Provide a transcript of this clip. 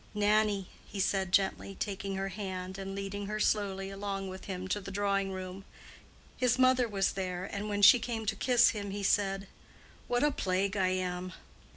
"Nannie!" he said gently, taking her hand and leading her slowly along with him to the drawing room. His mother was there, and when she came to kiss him, he said: "What a plague I am!"